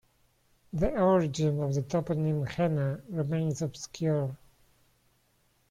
The origin of the toponym "Henna" remains obscure.